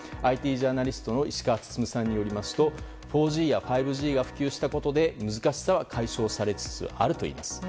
ＩＴジャーナリストの石川温さんによりますと４Ｇや５Ｇが普及したことで難しさは解消されつつあるといいます。